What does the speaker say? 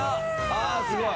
ああすごい！